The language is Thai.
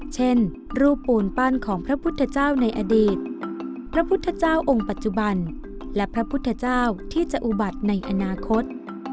เช่นรูปปูนปั้นของพระพุทธเจ้าในอดีตพระพุทธเจ้าองค์ปัจจุบันและพระพุทธเจ้าที่จะอุบัติในอนาคต